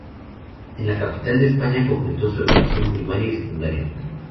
En la capital de España completó su educación primaria y secundaria.